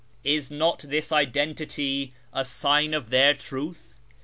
Is not this identity a sign of their truth